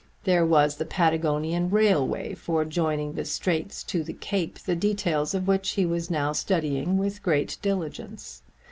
There was the Patagonian railway for joining the Straits to the Cape the details of which he was now studying with great diligence.